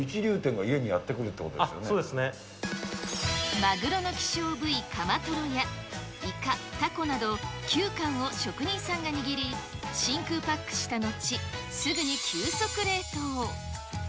マグロの希少部位、カマトロやイカ、タコなど、９貫を職人さんが握り、真空パックした後、すぐに急速冷凍。